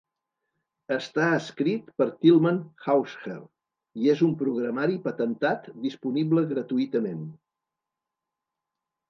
Està escrit per Tilman Hausherr i és un programari patentat disponible gratuïtament.